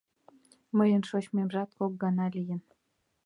Мыйын шочмемжат кок гана лийын.